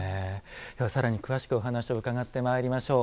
では、さらに詳しくお話を伺ってまいりましょう。